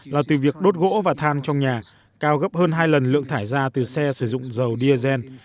là từ việc đốt gỗ và than trong nhà cao gấp hơn hai lần lượng thải ra từ xe sử dụng dầu diesel